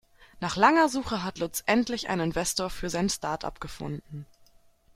Nach langer Suche hat Lutz endlich einen Investor für sein Startup gefunden.